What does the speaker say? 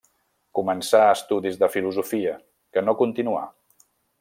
Començà estudis de filosofia, que no continuà.